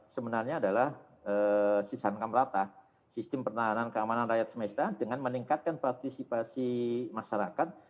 sebenarnya adalah sisankam rata sistem pertahanan keamanan rakyat semesta dengan meningkatkan partisipasi masyarakat